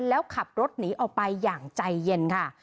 แล้วขับรถหนีออกไปอย่างใจเย็นค่ะ